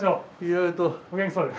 お元気そうで。